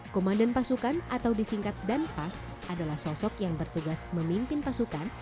komandan pasukan atau disingkat dan pas adalah sosok yang bertugas memimpin pasukan